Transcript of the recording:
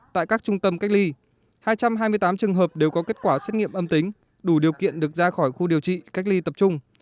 tại các trung tâm cách ly hai trăm hai mươi tám trường hợp đều có kết quả xét nghiệm âm tính đủ điều kiện được ra khỏi khu điều trị cách ly tập trung